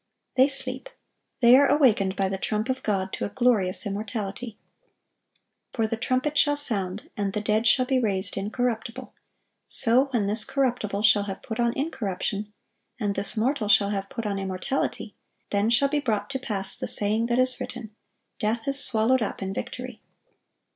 They sleep; they are awakened by the trump of God to a glorious immortality. "For the trumpet shall sound, and the dead shall be raised incorruptible.... So when this corruptible shall have put on incorruption, and this mortal shall have put on immortality, then shall be brought to pass the saying that is written, Death is swallowed up in victory."